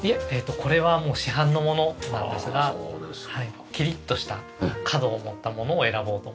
これはもう市販のものなんですがキリッとした角を持ったものを選ぼうと思って。